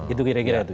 itu kira kira itu